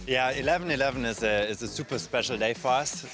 ya sebelas sebelas adalah hari yang sangat istimewa buat kita